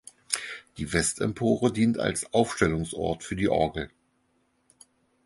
Die Westempore dient als Aufstellungsort für die Orgel.